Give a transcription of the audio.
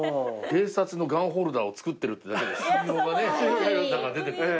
警察のガンホルダーを作ってるってだけで信用がね。